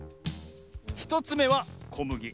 １つめはこむぎ。